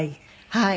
はい。